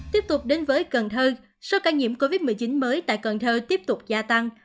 tiếp tục đến với cần thơ số ca nhiễm covid một mươi chín mới tại cần thơ tiếp tục gia tăng